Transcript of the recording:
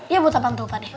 ya buat apaan tuh pak deh